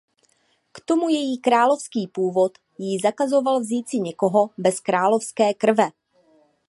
K tomu její královský původ jí zakazoval vzít si někoho bez královské krve.